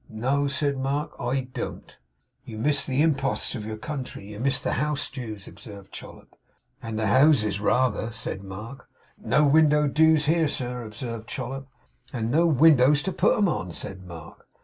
'No,' said Mark, 'I don't.' 'You miss the imposts of your country. You miss the house dues?' observed Chollop. 'And the houses rather,' said Mark. 'No window dues here, sir,' observed Chollop. 'And no windows to put 'em on,' said Mark.